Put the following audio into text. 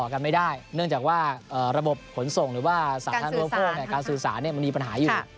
การศึกษา